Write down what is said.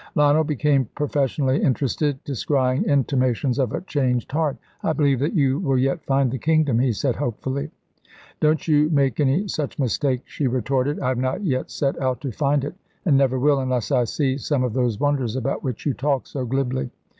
Lionel became professionally interested, descrying intimations of a changed heart. "I believe that you will yet find the Kingdom," he said hopefully. "Don't you make any such mistake," she retorted. "I have not yet set out to find it, and never will, unless I see some of those wonders about which you talk so glibly."